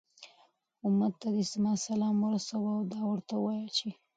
أمت ته دي زما سلام ورسوه، او دا ورته ووايه چې